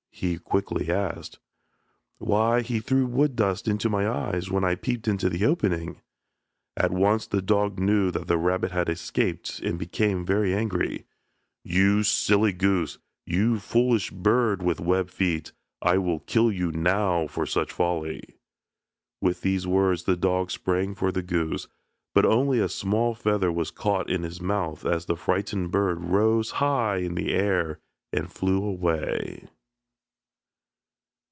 he quickly asked. "Why, he threw wood dust into my eyes when I peeped into the opening." At once the dog knew that the rabbit had escaped and became very angry. "You silly goose, you foolish bird with web feet, I will kill you now for such folly." With these words the dog sprang for the goose, but only a small feather was caught in his mouth as the frightened bird rose high in the air and flew away.